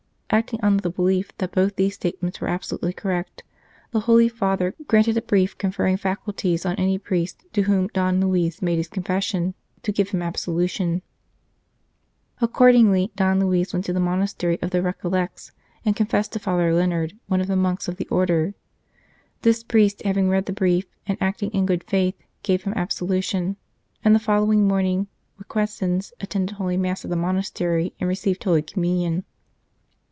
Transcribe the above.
Acting on the belief that both these statements were absolutely correct, the Holy Father granted a brief conferring faculties on any priest, to whom Don Luis made his confession, to give him absolution. 113 i St. Charles Borromeo Accordingly, Don Luis went to the monastery of the Recollects, and confessed to Father Leonard, one of the monks of the Order. This priest, having read the brief and acting in good faith, gave him absolution, and the following morning Requesens attended Holy Mass at the monastery and received Holy Communion.